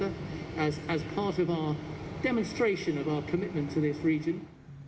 sebagai bagian dari kegiatan kami untuk kawasan ini